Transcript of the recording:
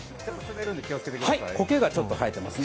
こけがちょっと生えていますね。